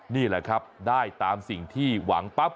นี่แหละครับได้ตามสิ่งที่หวังปั๊บ